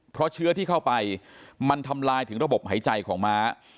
เพราะเชื้อที่เข้าไปมันทำลายถึงระบบหายใจของม้า